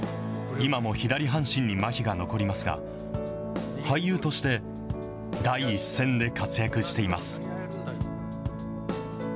今も左半身にまひが残りますが、俳優として第一線で活躍しています。